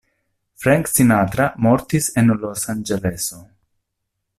Frank Sinatra mortis en Losanĝeleso.